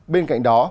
bên cạnh đó